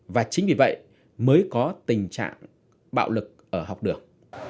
và chính vì vậy mới có tình trạng bạo lực ở học đường